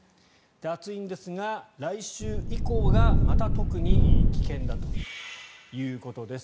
暑いんですが来週以降がまた特に危険だということです。